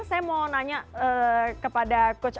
saya mau nanya kepada coach